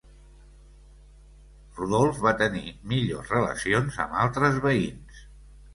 Rodolf va tenir millors relacions amb altres veïns.